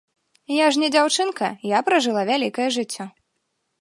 Я ж не дзяўчынка, я пражыла вялікае жыццё.